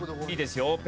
いいですよ。